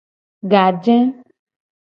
Gaje.